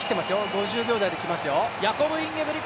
５０秒台できますよ。